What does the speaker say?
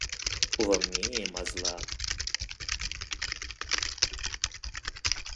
Ува мне няма зла.